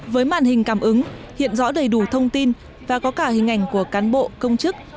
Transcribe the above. với màn hình cảm ứng hiện rõ đầy đủ thông tin và có cả hình ảnh của cán bộ công chức